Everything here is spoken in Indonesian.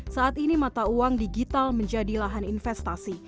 saat ini mata uang digital menjadi lahan investasi